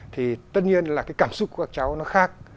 thì tất nhiên là cái cảm xúc của các cháu nó khác